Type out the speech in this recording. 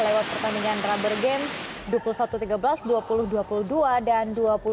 lewat pertandingan rubber game dua puluh satu tiga belas dua puluh dua puluh dua dan dua puluh satu